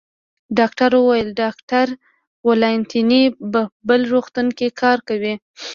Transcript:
ډاکټر وویل: ډاکټر والنتیني په بل روغتون کې کار کوي.